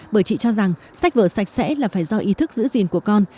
bởi chị cho rằng sách vở sạch sẽ là phải do ý thức giữ gìn của con